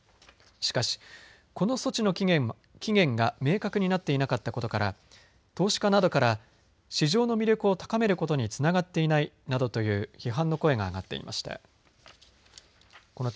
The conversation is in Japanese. しかし、この措置の期限が明確になっていなかったことから投資家などから市場の魅力を高めることにつながっていないなどという批判の声が上がっていました。